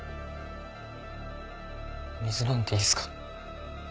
水飲んでいいっすか？